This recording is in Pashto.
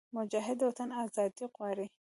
مجاهد د وطن ازادي غواړي.